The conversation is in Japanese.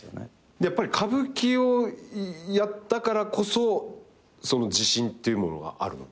やっぱり歌舞伎をやったからこそその自信っていうものがあるの？